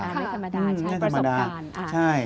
ไม่ธรรมดาใช่ประสบการณ์ไม่ธรรมดาใช่